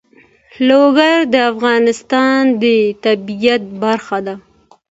لوگر د افغانستان د طبیعت برخه ده.